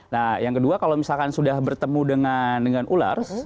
nah yang kedua kalau misalkan sudah bertemu dengan ular